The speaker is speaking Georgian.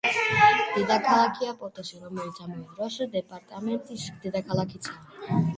დედაქალაქია პოტოსი, რომელიც ამავე დროს დეპარტამენტის დედაქალაქიცაა.